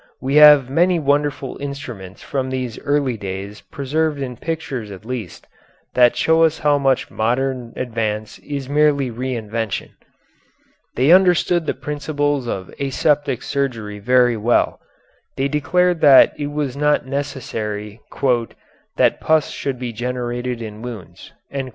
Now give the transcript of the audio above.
We have many wonderful instruments from these early days preserved in pictures at least, that show us how much modern advance is merely re invention. They understood the principles of aseptic surgery very well. They declared that it was not necessary "that pus should be generated in wounds."